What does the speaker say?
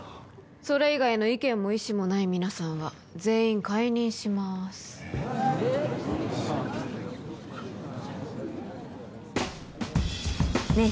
それ以外の意見も意思もない皆さんは全員解任しますねえ